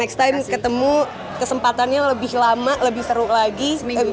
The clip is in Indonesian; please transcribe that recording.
next time ketemu kesempatannya lebih lama lebih seru lagi